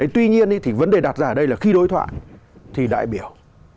tuy nhiên thì vấn đề đặt ra ở đây là khi đối thoại thì đại biểu